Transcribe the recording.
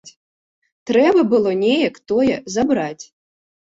Трэба было неяк тое забраць.